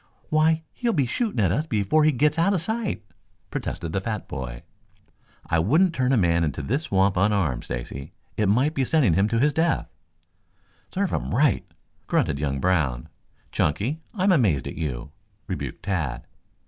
Why, he'll be shooting at us before he gets out of sight," protested the fat boy. "I wouldn't turn a man into this swamp unarmed, Stacy. It might be sending him to his death." "Serve him right," grunted young Brown. "Chunky, I am amazed at you," rebuked Tad.